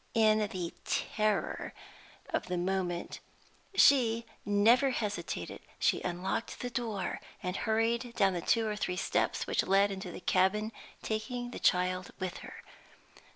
In the terror of the moment, she never hesitated. She unlocked the door, and hurried down the two or three steps which led into the cabin, taking the child with her.